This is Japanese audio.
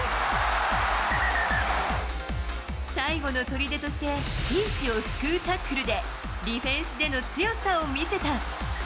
最後のとりでとして、ピンチを救うタックルで、ディフェンスでの強さを見せた。